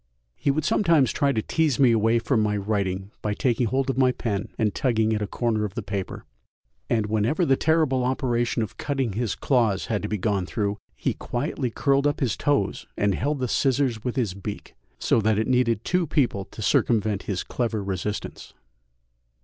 He would sometimes try to tease me away from my writing by taking hold of my pen and tugging at a corner of the paper, and whenever the terrible operation of cutting his claws had to be gone through, he quietly curled up his toes and held the scissors with his beak, so that it needed two people to circumvent his clever resistance.